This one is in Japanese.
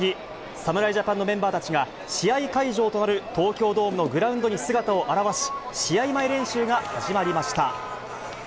侍ジャパンのメンバーたちが、試合会場となる東京ドームのグラウンドに姿を現し、試合前練習が始まりました。